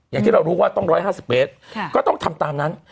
อย่างที่เรารู้ว่าต้อง๑๕๐เมตรก็ต้องทำตามนั้น